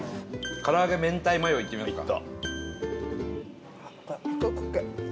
唐揚げ明太マヨいってみますか。